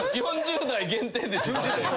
４０代限定でしょ？